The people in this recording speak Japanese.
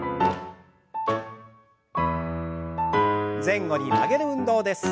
前後に曲げる運動です。